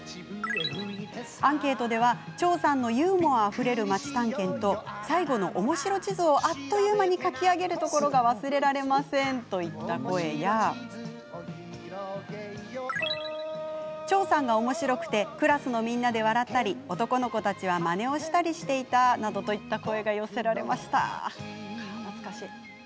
アンケートでは、チョーさんのユーモアあふれる町探検と最後のおもしろ地図をあっという間に描き上げるところが忘れられませんといった声やチョーさんがおもしろくてクラスのみんなで笑ったり男の子たちはまねをしたりしていたなどの声が寄せられました。